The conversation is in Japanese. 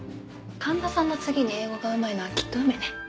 神田さんの次に英語がうまいのはきっと梅ね。